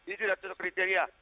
ini tidak tutup kriteria